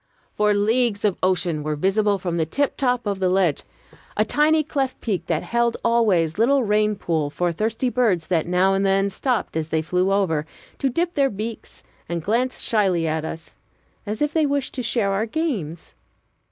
For leagues of ocean were visible from the tiptop of the ledge, a tiny cleft peak that held always little rain pool for thirsty birds that now and then stopped as they flew over, to dip their beaks and glance shyly at us, as if they wished to share our games.